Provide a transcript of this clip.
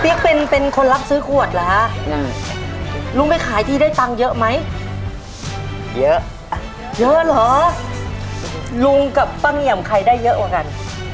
บอกเขาไปสิใครจะเยอะกว่ากัน